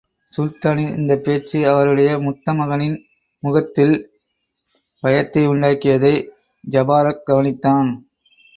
சுல்தானின் இந்தப் பேச்சு அவருடைய முத்தமகனின் முகத்தில் பயத்தையுண்டாக்கியதை ஜபாரக் கவனித்தான்.